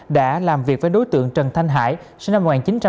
đã làm việc với đối tượng trần thanh hải sinh năm một nghìn chín trăm chín mươi hai